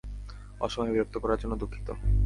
অসময়ে বিরক্ত করার জন্য দুঃখিত।